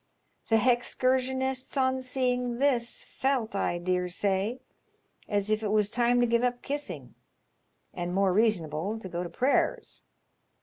The hexcursionists on seeing this felt, I dare say, as if it was time to give up kissing, and more reasonable to go to prayers.